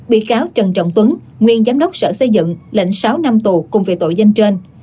bị cáo trần trọng tuấn nguyên giám đốc sở xây dựng lệnh sáu năm tù cùng về tội danh trên